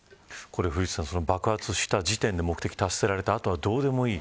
古市さん、爆発した時点で目的が達せられたからあとはどうでもいい。